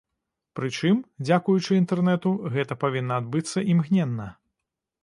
Прычым, дзякуючы інтэрнэту, гэта павінна адбыцца імгненна.